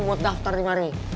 buat daftar dimari